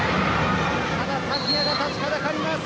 ただ、タピアが立ちはだかります。